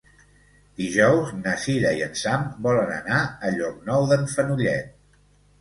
Dijous na Cira i en Sam volen anar a Llocnou d'en Fenollet.